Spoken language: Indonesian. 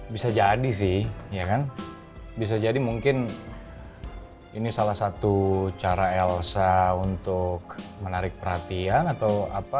bisa jadi sih ya kan bisa jadi mungkin ini salah satu cara elsa untuk menarik perhatian atau apa